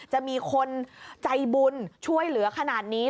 จะมีคนใจบุญช่วยเหลือขนาดนี้